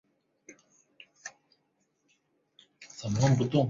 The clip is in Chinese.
这座教堂是天主教奥斯塔教区的主教座堂。